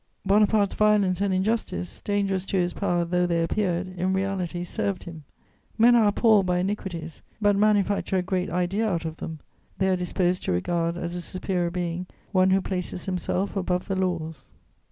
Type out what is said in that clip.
Bonaparte's violence and injustice, dangerous to his power though they appeared, in reality served him: men are appalled by iniquities, but manufacture a great idea out of them; they are disposed to regard as a superior being one who places himself above the laws.